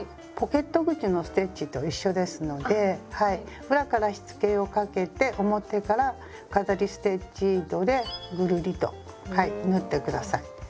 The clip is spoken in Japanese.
ポケット口のステッチと一緒ですので裏からしつけをかけて表から飾りステッチ糸でぐるりと縫ってください。